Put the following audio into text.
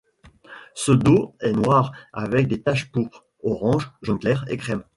Son dos est noir avec des taches pourpres, orange, jaune clair et crème.